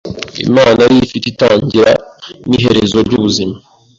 Imana ariyo ifite itangira n’iherezo ry’ubuzima.